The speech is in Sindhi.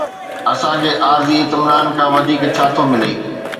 اسان کي عارضي اطمينان کان وڌيڪ ڇا ٿو ملي؟